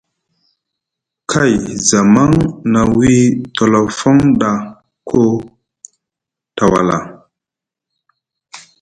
Kay zamaŋ na wii tolofon ɗa koo tawala.